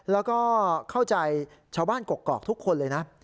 แล้วก็เข้าใจชาวบ้านกกอกทุกคนเลยนะ